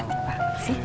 kamu cantik banget sih